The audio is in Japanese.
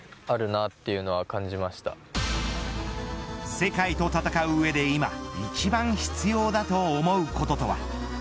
世界と戦う上で今一番必要だと思うこととは。